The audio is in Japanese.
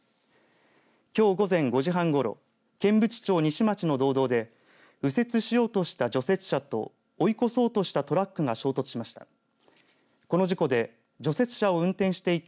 きょう午前５時半ごろ剣淵町西町の道道で右折しようとした除雪車と追い越そうとしたトラックが衝突しました。